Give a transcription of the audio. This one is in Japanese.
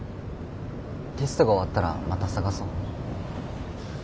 テストが終わったらまた捜そう。